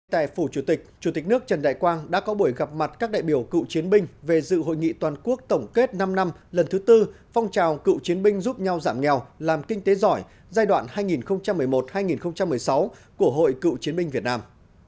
tại phủ chủ tịch chủ tịch nước trần đại quang đã có buổi gặp mặt các đại biểu cựu chiến binh về dự hội nghị toàn quốc tổng kết năm năm lần thứ tư phong trào cựu chiến binh giúp nhau giảm nghèo làm kinh tế giỏi giai đoạn hai nghìn một mươi một hai nghìn một mươi sáu của hội cựu chiến binh việt nam